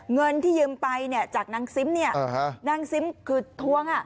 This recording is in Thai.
เงินที่ยืมไปจากนางซิมนางซิมคือทวง